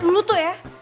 lu tuh ya